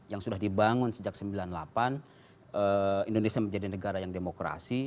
yang sudah dibangun sejak seribu sembilan ratus sembilan puluh delapan indonesia menjadi negara yang demokrasi